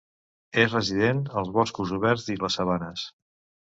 És resident als boscos oberts i les sabanes.